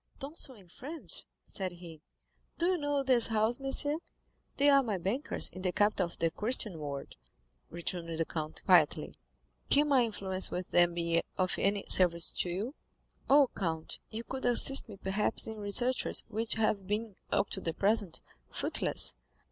"Thomson & French," said he; "do you know this house, monsieur?" 20253m "They are my bankers in the capital of the Christian world," returned the count quietly. "Can my influence with them be of any service to you?" "Oh, count, you could assist me perhaps in researches which have been, up to the present, fruitless.